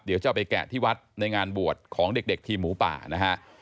เดี๋ยวจะเอาไปแกะที่วัดในงานบวชของเด็กทีมหมูป่านะฮะ